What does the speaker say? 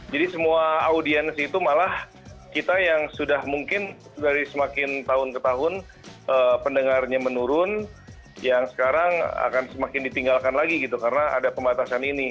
jadi semua audiens itu malah kita yang sudah mungkin dari semakin tahun ke tahun pendengarnya menurun yang sekarang akan semakin ditinggalkan lagi gitu karena ada pembatasan ini